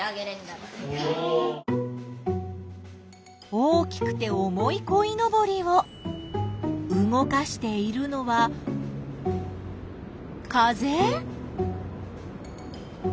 大きくて重いこいのぼりを動かしているのは風？